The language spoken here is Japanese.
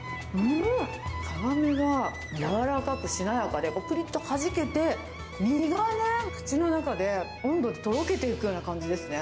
皮目がやわらかくしなやかで、ぷりっとはじけて、身がね、口の中でどんどんとろけていくような感じですね。